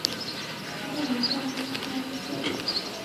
出身于香川县。